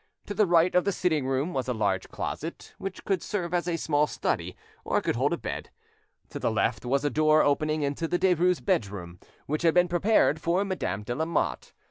To the right of the sitting room was a large closet, which could serve as a small study or could hold a bed; to the left was a door opening into the Derues' bedroom, which had been prepared for Madame de Lamotte.